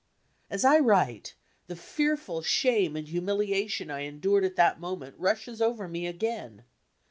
As I write, the fearful shame and humiliadon I endured at that moment rushes over me again.